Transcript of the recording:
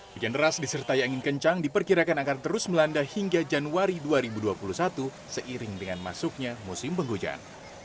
hujan deras disertai angin kencang diperkirakan akan terus melanda hingga januari dua ribu dua puluh satu seiring dengan masuknya musim penghujan